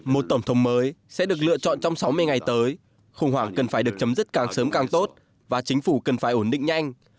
một tổng thống mới sẽ được lựa chọn trong sáu mươi ngày tới khủng hoảng cần phải được chấm dứt càng sớm càng tốt và chính phủ cần phải ổn định nhanh